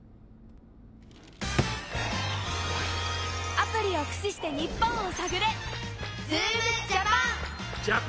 アプリをくししてニッポンをさぐれ！